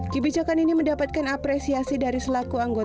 kepijakan ini mendapatkan apresiasi dari selaku anggaran